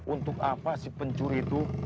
untuk apa si pencuri itu